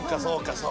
そうか。